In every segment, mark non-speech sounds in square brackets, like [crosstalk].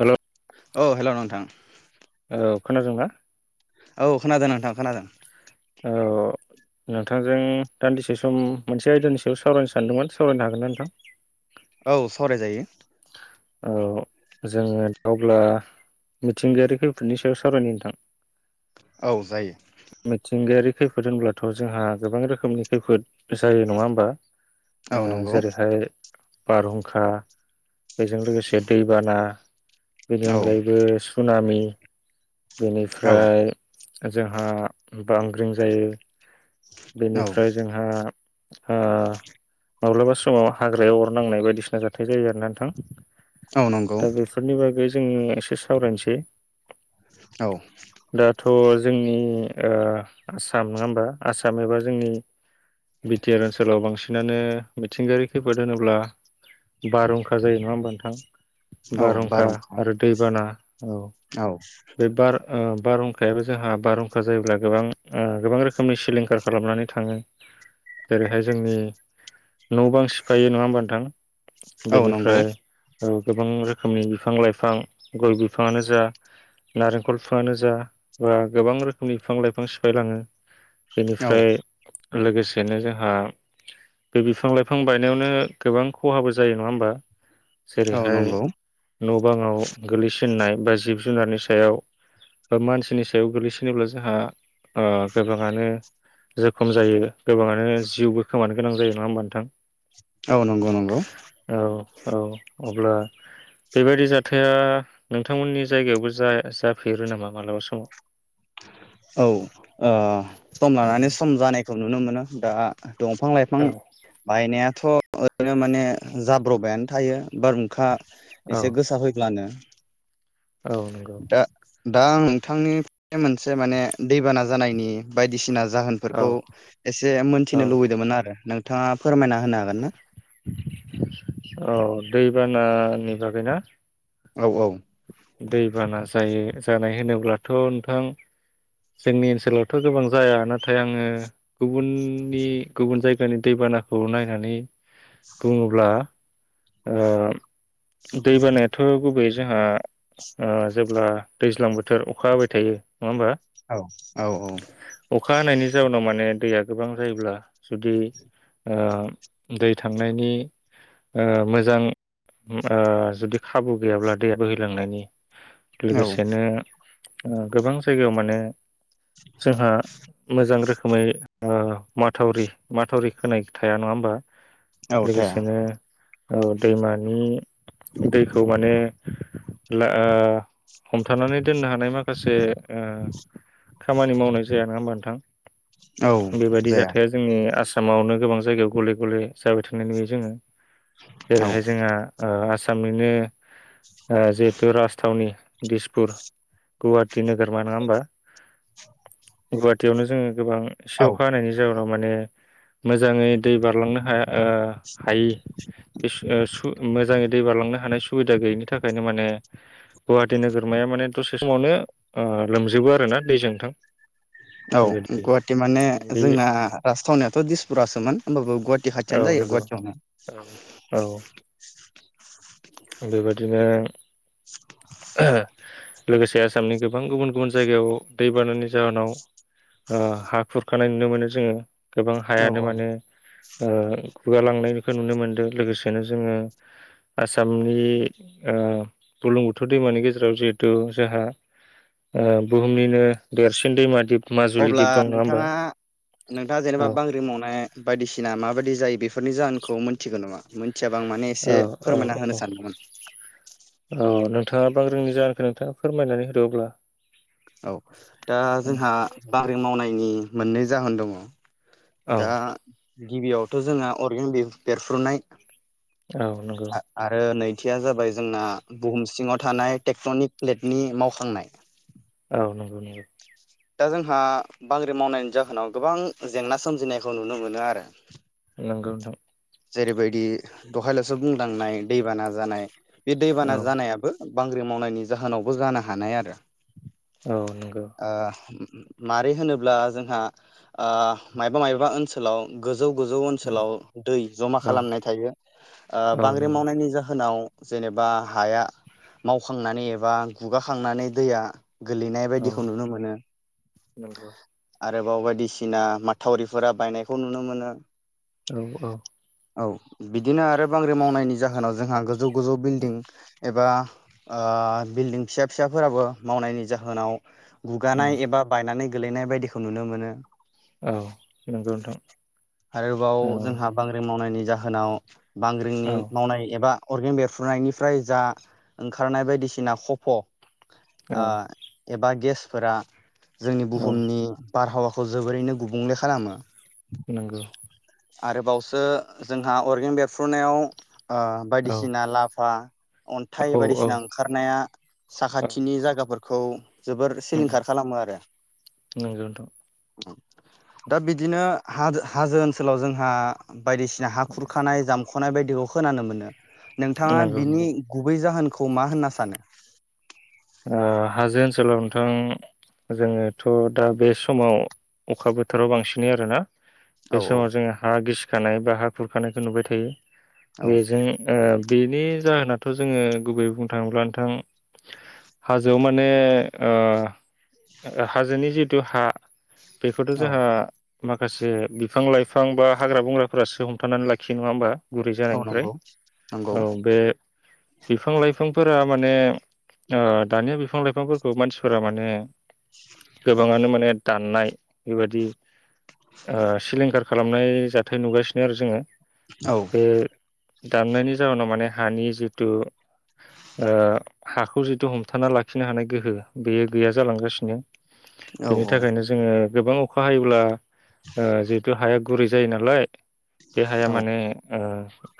हेल' औ हेल' नोंथां। औ खोनादोंना? औ खोनादों नोंथां खोनादों। औ औ नोंथांजों दान्दिसे सम मोनसे आयदानि सायाव सावरायनो सानदोंमोन सावरायनो हागोन ना नोंथां? औ सावराय जायो। औ जोङो दा अब्ला मिथिंगायारि खैफोदनि सायाव सावरायनो नोंथां। औ जायो। थिंगायारि खैफोद होनब्लाथ' जोंहा गोबां रोखोमनि खैफोद जायो नङा होमबा? ओ औ नंगौ जेरैहाय बारहुंखा बेजों लोगोसे दैबाना बेनि औ अनगायैबो सुनामि [inaudible] औ बेनिफ्राय जोंहा बांग्रिं जायो। औ बेनिफ्राय जोंहा ओ माब्लाबा समाव हाग्रायाव अर नांनाय बायदिसिना जाथाय जायो आरो ना नोंथां। औ नंगौ दा बेफोरनि बागै जों एसे सावरायनोसै। औ थ' जोंनि ओ आसाम नङा होमबा आसाम एबा जोंनि बि टि आर ओनसोलाव बांसिनानो मिथिंगायारि खैफोद होनोब्ला बारहुंखा जायो नङा होमबा नोंथां। बारहुंखा आरो दैबाना औ बे बार ओ बारहुंखायाबो जोंहा बार जायोब्ला गोबां ओ गोबां रोखोम [unintelligible] सिलिंखार खालामनानै थाङो जेरैहाय जोंनि न' बां सिफायो नङा होमबा नोंथां औ नंगौ बेनिफ्राय औ गोबां रोखोमनि बिफां लाइफां गय बिफाङानो जा नारेंखल बिफाङानो जा बा गोबां रोखोमनि बिफां लाइफां सिफायलाङो। औ बेनिफ्राय लोगोसेनो जोंहा बे बिफां लाइफां बायनायावनो गोबां खहाबो जायो नङा होमबा। औ जेरैहाय नंगौ न' बाङाव गोलैस नाय बा जिब जुनारनि सायाव मानसिनि सायाव गोग्लैसिनोब्ला जोंहा ओ गोबाङानो जोखोम जायो गोबाङानो जिउबो खोमानो गोनां जायो नङा होमबा नोंथां। औ नंगौ नंगौ। औ औ अब्ला बेबायदि जाथाया नोंथांमोननि जायगायावबो जा जाफेरो नामा मालाबा समाव। औ ओ सम लानानै सम जानायखौ नुनो मोनो दा दंफां लाइफां औ बायनाया थ' ओरैनो माने जाब्रबायानो थायो बारहुंखा औ एसे गोसा फैब्लानो औ नंगौ दा दा आं नोंथांनो बे मोनसे माने दैबाना जानायनि बायदिसिना औ जाहोनफोरखौ एसे औ मोनथिनो लुबैदोंमोन आरो नों थाङा फोरमायना होनो हागोन ना? औ दैबानानि बागै ना? औ औ दैबाना जायो जानाय होनोब्लाथ' नोंथां जोंनि ओनसोलावथ' गोबां जाया नाथाय आङो गुबुननि गुबुन जायगानि दैबानाखौ नायनानै बुङोब्ला ओह दै बानायाथ' गुबै जोंहा ओ जेब्ला दैज्लां बोथोर अखा हाबाय थायो नङा होमबा औ अखा हानायनि जाउनाव माने दैया गोबां जायोब्ला जुदि ओ दै थांनायनि ओ मोजां ओ जुदि खाबु गैयाब्ला दैया बोहैलांनायनि औ लोगोसेनो ओ गोबां जायगायाव माने जोंहा मोजां रोखोमै ओ माथावरि माथावरि खोनाय थाया नङा होमबा? औ थाया लोगोसेनो औ दैमानि दैखौ माने ला ओ हमथानानै दोननो हानाय माखासे ओ खामानि मावनाय जाया नङा होमबा नोंथां। औ बे बायदि जाया जाथाया जोंनि आसा मावनो गोबां जायगायाव गले गले जाबाय थानाय नुयो जोङो। औ जेरैहाय जोंहा ओ आसा सामनिनो ओ जिहेतु राजथावनि दिसपुर गुवाहाटि नोगोरमा नङा होमबा गुवाहाटीयावनो जोङो गोबां एसे औ अखा हानायनि जाउ नाव माने मोजाङै दै बारलांनो ओ हायि बे मोजाङै दै बारालांनो हानाय सुबिदा गैयिनि थाखायनो माने गुवाहाटि नोगोरमाया माने दसे समावनो ओ लोमजोबो आरोना दैजों नोंथां। औ बेबायदि गुवाहाटी माने बे जोंना राजथावनियाथ' दिसपुरासोमोन। होमबाबो गुवाहाटी औ खाथियानो जायो नंगौ गुवाहाटीयावनो बेबायदिनो लोगोसे आसामनि गोबां गुबुन गुबुन जायगायाव दैबानानि जाहोनाव हा खुरखानाय नुनो मोनो जोङो। गोबां औ हायानो औ माने गुगालांनायखौ नुनो मोनदों लोगोसेनो जोङो आसामनि ओ बुरलुं बुथुर दैमानि गेजेराव जिहेथु जोंहा बुहुमनिनो देरसिन दैमा दिप माजुलि अब्ला दिप दं नङा होमबा नोंथाङा नोंथाङा औ जेनेबा बांग्रि मावनाय बायदिसिना माबायदि जायो। बेफोरनि जाहोनखौ मोनथिगोन नामा? मिथियाबा आं माने औ एसे औ फोरमायना होनो औ सानदोंमोन, औ नोंथाङा बांग्रिनि जाहोनखौ नोंथाङा फोरमायनानै होदो अब्ला। औ दा जोंहा बांग्रि मावनायनि मोननै जाहोन दङ। औ दा गिबियाव थ' जोंहा अरगें बेरफ्रुनाय, औ नंगौ आरो नै थिया जाबाय जोंना बुहुम सिङाव थानाय टेक्टनिक प्लेटनि मावखांनाय। औ नंगौ नंगौ। दा जोंहा बांग्रि मावनायनि जाहोनाव गोबां जेंना सोमजिनायखौ नुनो मोनो आरो। नोंगौ नोंथां। जेरैबायदि दहायल'सो बुंलांनाय दैबाना जानाय, बे औ दैबाना जानायाबो बांग्रि मावनायनि जाहोनावबो जानो हानाय आरो, औ नंगौ ओ मारै होनोब्ला जोंहा मायबा मायबा ओनसोलाव गो जौ-गोजौ औ ओनसोलाव दै जमा खालामनाय थायो ओ औ बांग्रि नंगौ मावनायनि जाहोनाव जेनेबा हाया मावखांनानै एबा गुगाखांनानै दैया गोलैनाय औ बायदिखौ नुनो मोनो, नंगौ आरोबाव बायदिसिना माथावरिफोरा बायनायखौ नुनो मोनो, औ औ। औ बिदिनो आरो बांग्रि मावनायनि जाहोनाव जोंहा गोजौ गोजौ बिल्डिं एबा बिल्डिं फिसा फिसाफोराबो मावनायनि जाहोनाव गुगानाय एबा बायनानै गेलैनाय बायदिखौ नुनो मोनो। औ नंगौ नोंथां औ आरोबाव जोंहा बांग्रिं मावनायनि जाहोनाव बांग्रिंनि औ मावनाय एबा अरगें बेरफ्रुनायनिफ्राय जा ओंखारनाय बायदिसिना खफ' आ औ एबा गेस फोरा जोंनि बुहुमनि बारहावाखौ जोबोरैनो गुबुंले खालामो नोंगौ आरोबाव सो जोंहा अरगें बेरफ्रुनायाव ओ औ बायदिसिना लाभा अन्थाइ औ बायदिसिना औ ओंखारनाया साखाथिनि जागाफोर खौ जोबोर सिलिंखार खालामो आरो नंगौ नोंथां दा बिदिनो हा-हाजो ओनसोलाव जोंहा बायदिसिना हा खुरखानाय जाम ख'नाय बायदिखौ खोनानो मोनो। नोंथाङा नंगौ नंगौ बिनि गुबै जाहोन खौ मा होनना सानो ओ हाजो ओनसोलाव नोंथां जोङोथ' दा बे समाव अखा बोथोराव बांसिनै आरोना औ बे समाव जोंङो हा गिसि खानाय बा हा खुरखानायखौ नुबाय थायो औ बेजों ओ बेनि जाहोनाथ' जोंङो गुबैयै बुंनो थाङोब्ला नोंथां हाजोआव माने ओ हाजोनि जिथु हा बेखौथ' औ जोंहा माखासे बिफां लाइफां बा हाग्रा बंग्राफोरासो हमथानानै लाखियो नङा होमबा गुरै औ जानायनिफ्राय नंगौ नंगौ औ बे बिफां लाइफांफोरा माने ओ दानिया बिफां लाइफांफोरखौ मानसिफोरा माने गोबाङानो माने दाननाय बेबायाददि ओ सिलिंखार खालामनाय जाथाय नुगासिनो आरो जोंङो औ दाननायनि जाउनाव माने हानि जिथु ओ हाखौ जि तु हमथाना लाखिनो हानाय गोहोआ बेयो गैया जालांगासिनो औ बेनि थाखायनो जोंङो गोबां अखा हायोब्ला ओ जिहितु हाया गुरै जायो नालाय बे हाया माने औ ओ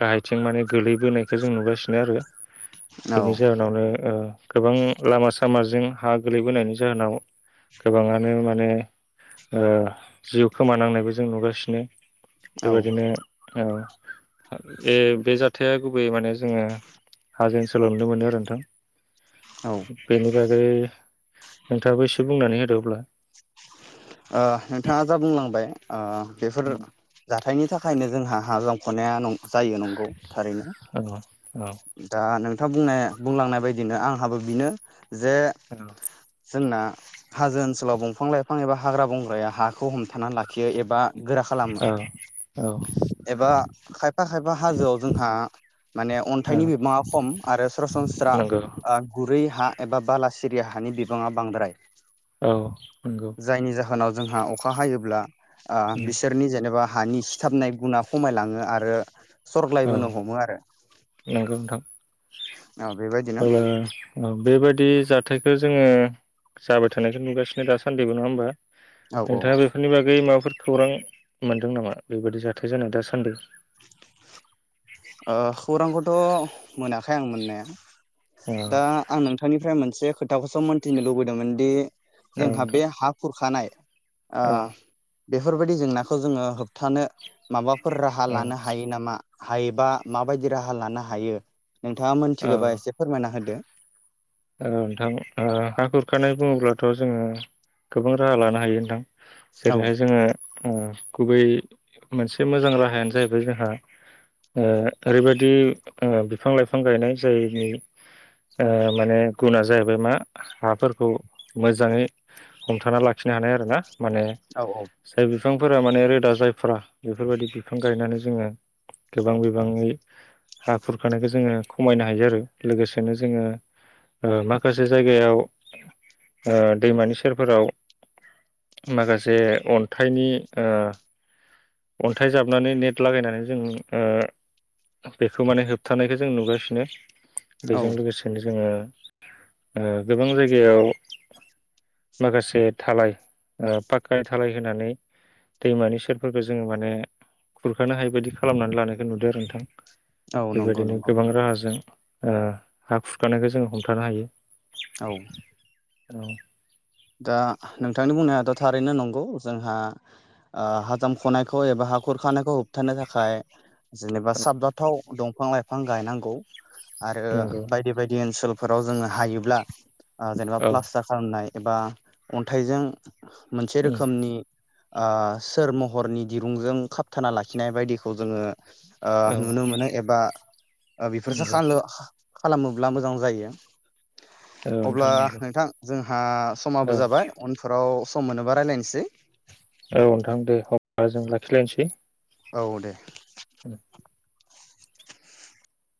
गाहायथिं माने गोलैबोनायखौ जों नुगासिनो आरो औ बेनि जाहोनावनो ओ गोबां लामा सामाजों हा गोलैबोनायनि जाहोनाव गोबाङानो माने ओ जिउ खोमानांनायबो जों नुगासिनो। बेबायदिनो औ औ बे बे जाथाया गुबै माने जोङो हाजों ओनसोलाव नुनो मोनो आरो नोंथां। ओ बेनि बागै नोंथाङाबो एसे बुंनानै होदो अब्ला नोंथाङा जा बुंलांबाय ओ बेफोर जा हाथायनि थाखायनो जोंहा हा जाख'नाया नं जायो नंगौ थारैनो औ औ दा नों थां बुंनाय बुंलांनाय बायदिनो आंहाबो बिनो जे औ जोंना हाजो ओनसोलाव दंफां लाइ फां एबा हाग्रा बंग्राया हाखौ हमथानानानै लाखियो एबा गोरा खालामो औ एबा खायफा खायफा हाजोआव जोंहा माने औ अन्थाइनि बिबाङा खम आरो सरासनस्रा नंगौ ओ गुरै हा एबा बालासि सिरिया हानि बिबाङा बांद्राय औ नंगौ जायनि जाहोनाव जोंहा अखा हायोब्ला ओ औ बिसोरनि जेनेबा हानि सिथाबनाय गुना खमायलाङो आरो। सरग्लायबोनो हमो आरो नंगौ नोंथां ओ बे अब्ला बेबायद बि जाथायखौ जोङो जाबाय थानायखौ नुगासिनो दासान्दिबो नङा होमबा? औ औ नोंथाङा बेफोरनि बागै माबाफोर खौरां मोनदों नामा बेबायदि जाथाय जानाय दा सानदि? अ खौरांखौथ' मोनाखै आं मोननाया। औ दा आं नोंथांनिफ्राय मोनसे खोथाखौसो मोनथिनो लुबैदोंमोन दि औ जोंहा बे नोंथां हा खुरखानाय ओ औ बेफोरबायदि जेंनाखौ जोङो होबथानो माबाफोर राहा औ लानो हायो नामा? हायोबा माबायदि राहा लानो हायो? नोंथाङा औ मोनथिगौबा एसे होदो। औ औ जोङो गोबां राहा लानो हायो नोंथां। औ जेरैहाय जोङो ओ गुबै मोनसे मोजां राहायानो जाहैबाय जोंहा ओ ओरैबायदि ओ बिफां लाइफां गायनाय जायनि ओ माने गुना जाहैबाय मा हाफोरखौ मोजाङै हमथाना लाखिनो हानाय आरोना। माने औ औ जाय बिफ बिफांफोरा माने रोदा जायफ्रा बेफोरबायदि बिफां गायनानै जोङो गोबां बिबाङै हा खुरखानायखौ जोङो खमायनो हायो आरो। लोगोसेनो जोङो ओ माखासे जायगायाव ओ दैमानि सेरफोराव माखासे अन्थाइनि ओ अन्थाइ जाबनानै नेट लागायनानै जों ओ बेखौ माने होबथानायखौ जों नुगासिनो। बेजों औ लोगोसेनो जोङो ओ गोबां जायगायाव माखासे धालाय ओ पाखकानि धालाय होनानै दैमानि सेरफोर खौ जोङो माने खुरखानो हायि बायदि खालामनानै लानायखौ नुदों आरो नोंथां। औ नंगौ बेबायदिनो नंगौ गोबां राहाजों ओ हा खुरखानायखौ जोंङो हमथानो हायो। औ। औ। दा नोंथांनि बुंनायाथ' थारैनो नंगौ जोंहा ओ हा जामख'नायखौ एबा हा खुरखानायखौ होबथानो थाखाय जेनेबा औ साबजाथाव दं फां लाइफां गायनांगौ। आरो नंगौ बायदि बायदि ओनसोल फोराव जोङो हायोब्ला ओ जेनेबा औ प्लास्टार खालामनाय एबा अन्थाइजों मोनसे उम रोखोमनि‌ ओ सोर महरनि दिरुंजों खाबथाना लाखिनाय बायदिखौ जोङो ओ औ नुनो मोनो एबा बेफोर नंगौ साखानलु खालामोब्ला मोजां जायो। औ नोंथां अब्ला नंगौ नोंथां जों आ समाबो औ जाबाय उनफोराव सम मोनोबा रायलायनोसै। औ नोंथां दे होनबा जों लाखिलायनोसै। औ दे। उम।